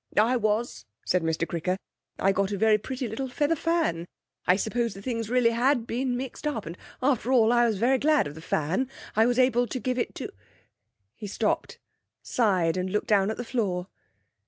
'I was,' said Mr Cricker. 'I got a very pretty little feather fan. I suppose the things really had been mixed up, and after all I was very glad of the fan; I was able to give it to ' He stopped, sighed and looked down on the floor.